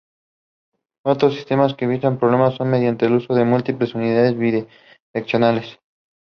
It is metres tall.